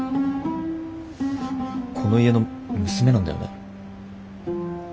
この家の娘なんだよね？